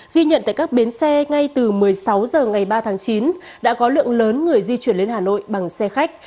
ghi nhận tại các bến xe ngay từ một mươi sáu h ngày ba tháng chín đã có lượng lớn người di chuyển lên hà nội bằng xe khách